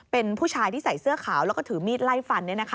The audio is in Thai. เป็นผู้ชายที่ใส่เสื้อขาวแล้วก็ถือมีดไล่ฟัน